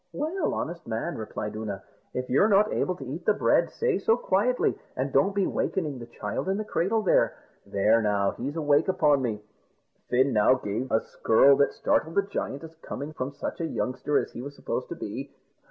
"Well, honest man," replied Oonagh, "if you're not able to eat the bread, say so quietly, and don't be wakening the child in the cradle there. There, now, he's awake upon me." Fin now gave a skirl that startled the giant, as coming from such a youngster as he was supposed to be.